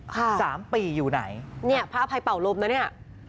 สามปีอยู่ไหนเนี่ยพระอภัยเป่าลมนะเนี่ย